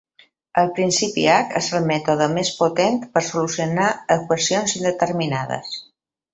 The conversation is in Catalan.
El principi h és el mètode més potent per solucionar equacions indeterminades.